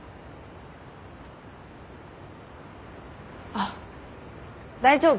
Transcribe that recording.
あっ大丈夫。